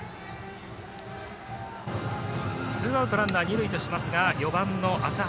ツーアウトランナー、二塁としますが４番の麻原